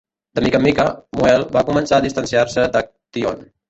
De mica en mica, Muehl va començar a distanciar-se d""Aktion".